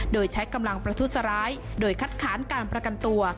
โดยใช้กำลังประทุษร้ายโดยคัดค้านการประกันตัว